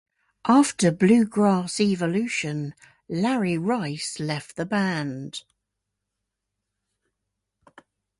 After "Bluegrass Evolution", Larry Rice left the band.